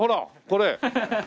これ。